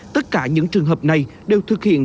tất cả những trường hợp này đều thực hiện